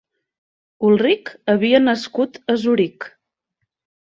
Ulric havia nascut a Zuric.